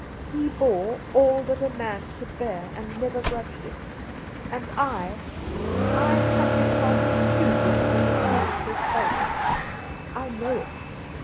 He bore all that man could bear and never grudged it. And I — I cut his heart in two when I refused his help ! I know it